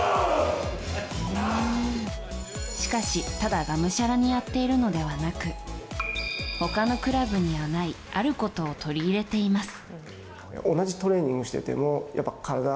しかし、ただがむしゃらにやっているのではなく他のクラブにはないあることを取り入れています。